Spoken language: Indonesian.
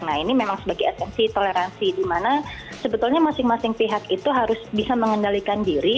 nah ini memang sebagai esensi toleransi di mana sebetulnya masing masing pihak itu harus bisa mengendalikan diri